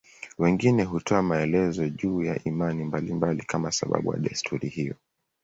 Wengine hutoa maelezo juu ya imani mbalimbali kama sababu ya desturi hiyo.